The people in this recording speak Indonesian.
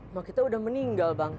wah kita udah meninggal bang